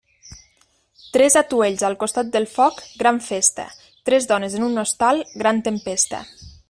Tres atuells al costat del foc, gran festa; tres dones en un hostal, gran tempesta.